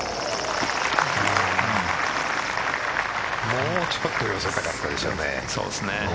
もうちょっと寄せたかったですね。